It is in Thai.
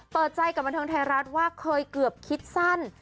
เปิดใจกับบันเทิงไทยรัฐว่าเคยเกือบคิดสั้น